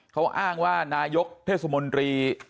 เขาอ้างว่านายกเทศมนตรี